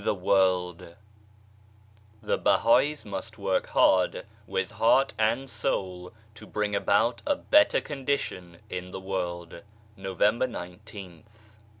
A BETTER WORLD 91 THE BAHAIS MUST WORK WITH HEART AND SOUL TO BRING ABOUT A BETTER CONDITION IN THE WORLD November iqth.